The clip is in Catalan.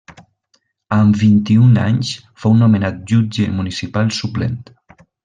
Amb vint-i-un anys fou nomenat jutge municipal suplent.